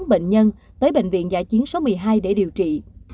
và bệnh nhân tới bệnh viện giải chiến số một mươi hai để điều trị